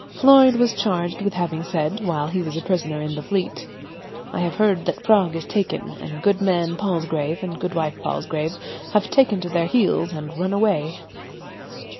Floyde was charged with having said, while he was a prisoner in the Fleet, "I have heard that Prague is taken, and goodman Palsgrave and goodwife Palsgrave have taken to their heels and run away."